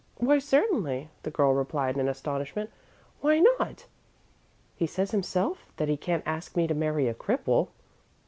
"Why, certainly," the girl replied, in astonishment. "Why not? He says himself that he can't ask me to marry a cripple."